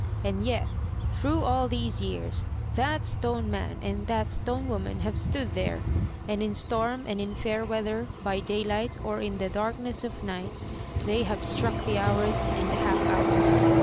And yet, through all these years, that stone man and that stone woman have stood there, and in storm and in fair weather, by daylight or in the darkness of night, they have struck the hours and the half hours.